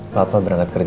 gak ada yang paham